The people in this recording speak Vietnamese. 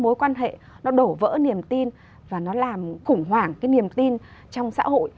mối quan hệ nó đổ vỡ niềm tin và nó làm khủng hoảng cái niềm tin trong xã hội